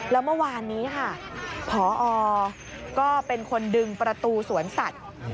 แล้วเมื่อวานนี้ค่ะพอก็เป็นคนดึงประตูสวนสัตว์